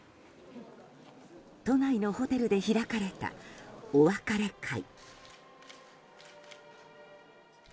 都内のホテルで開かれたお別れ会。